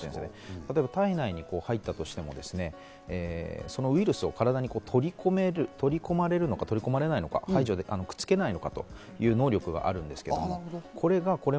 例えば体内に入ったとしても、そのウイルスを体に取り込める、取り込まれるのか、取り込まれないのか、くっつけるのかという能力があるんですけれども。